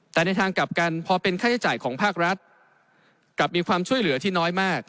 แต่ในทางกลับกันพอเป็นค่าใช้จ่ายของภาครัฐกลับมีความช่วยเหลือที่น้อยมาก